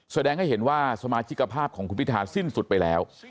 แสดงให้เห็นว่าสมาชิกภาพของคุณพิธาสิ้นสุดไปแล้ว